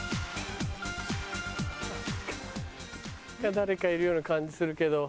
誰かいるような感じするけど。